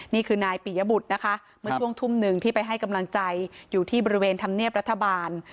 นี่คือนายปิยบุตรนะคะเมื่อช่วงทุ่มหนึ่งที่ไปให้กำลังใจอยู่ที่บริเวณธรรมเนียบรัฐบาล